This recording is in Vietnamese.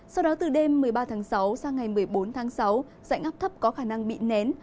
sau đó từ đêm một mươi ba tháng sáu sang ngày một mươi bốn tháng sáu dạnh áp thấp có khả năng bị nén